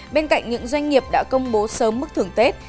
bên cạnh những doanh nghiệp đã công bố sớm mức thưởng tết